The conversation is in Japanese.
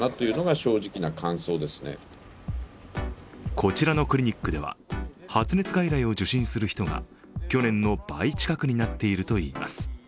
こちらのクリニックでは発熱外来を受診する人が去年の倍近くになっているといいます。